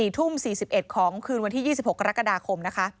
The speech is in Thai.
๔ทุ่ม๔๑ของคืนวันที่๒๖กรกฎาคมนะคะ